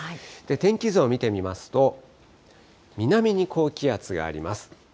天気図を見てみますと、南に高気圧があります。